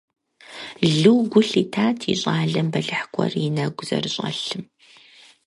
Лу гу лъитат и щӀалэм бэлыхь гуэр и нэгу зэрыщӀэлъым.